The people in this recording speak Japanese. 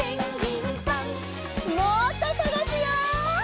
もっとさがすよ。